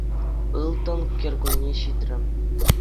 Ылтӑн кӗркунне ҫитрӗ.